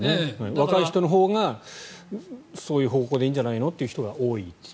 若い人のほうがそういう方向でいいんじゃないのという人が多い。